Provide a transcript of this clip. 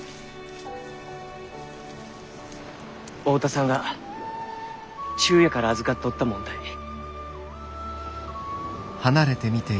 大田さんが忠弥から預かっとったもんたい。